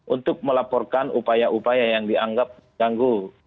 untuk melaporkan upaya upaya yang dianggap ganggu